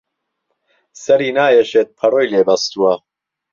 سهری نایهشێت پهڕۆی لێ بهستووه